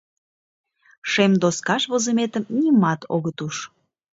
Шем доскаш возыметым нимат огыт уж.